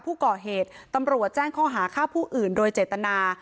ผู้ก่อเหตุตำรวจแจ้งข้อหาฆ่าผู้อื่นโดยเจตนา